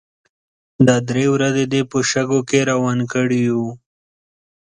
دا درې ورځې دې په شګو کې روان کړي يو.